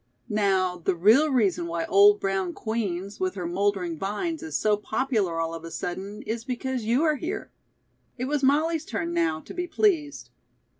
Now, the real reason why old brown Queen's, with her moldering vines, is so popular all of a sudden is because you are here." It was Molly's turn now to be pleased.